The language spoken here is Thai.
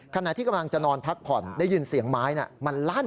ขณะที่กำลังจะนอนพักผ่อนได้ยินเสียงไม้มันลั่น